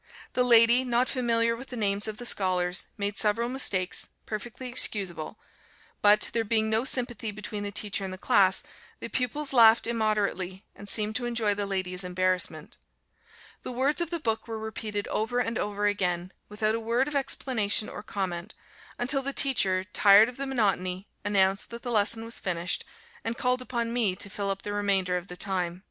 The lady, not familiar with the names of the scholars, made several mistakes, (perfectly excusable); but, there being no sympathy between the teacher and the class, the pupils laughed immoderately, and seemed to enjoy the lady's embarrassment. The words of the book were repeated over and over again, without a word of explanation or comment, until the teacher, tired of the monotony, announced that the lesson was finished, and called upon me to fill up the remainder of the time.